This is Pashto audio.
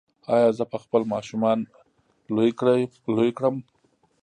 ایا زه به خپل ماشومان لوی کړم؟